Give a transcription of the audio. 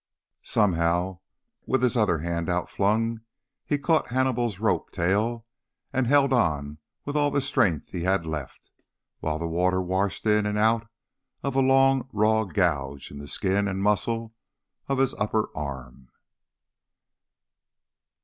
Somehow, with his other hand outflung, he caught Hannibal's rope tail and held on with all the strength he had left, while the water washed in and out of a long raw gouge in the skin and muscles of his upper arm.